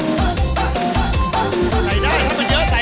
เวลาดีเล่นหน่อยเล่นหน่อยเล่นหน่อย